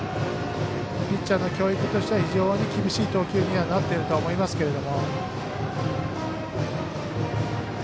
ピッチャーの京井君としては非常に厳しい投球になっていると思いますけど。